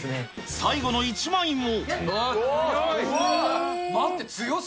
最後の１枚も。